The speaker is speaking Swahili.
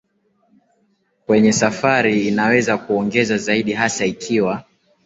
kwenye safari inaweza kuongeza zaidi hasa ikiwa